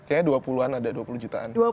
kayaknya dua puluh an ada dua puluh jutaan